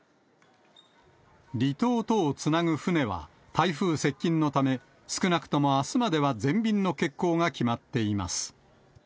離島とをつなぐ船は、台風接近のため、少なくともあすまでは全便の欠航が決まっています。